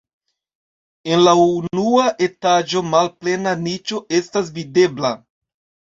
En la unua etaĝo malplena niĉo estas videbla.